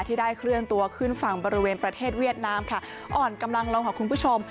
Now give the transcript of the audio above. ที่ได้เคลื่อนตัวขึ้นฝั่งบริเวณประเทศเวียดนามค่ะอ่อนกำลังลงค่ะคุณผู้ชม